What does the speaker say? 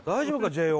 ＪＯ